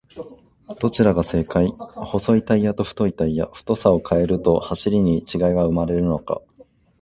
どちらが正解!?細いタイヤと太いタイヤ、太さを変えると走りに違いは生まれるのか？